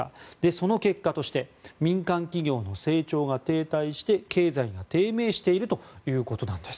その結果として民間企業の成長が停滞して経済が低迷しているということです。